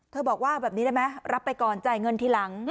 บอกว่าแบบนี้ได้ไหมรับไปก่อนจ่ายเงินทีหลัง